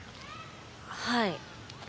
はい。